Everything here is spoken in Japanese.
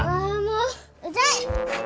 うざい！